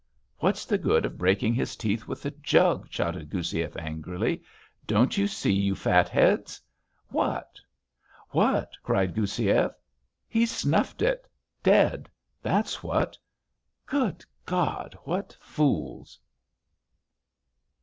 "What's the good of breaking his teeth with the jug," shouted Goussiev angrily. "Don't you see, you fatheads?" "What." "What!" cried Goussiev. "He's snuffed it, dead. That's what! Good God, what fools!..."